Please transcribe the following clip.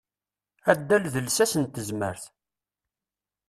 Addal d lsas n tezmert.